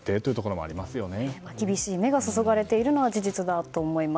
厳しい目が注がれているのは事実だと思います。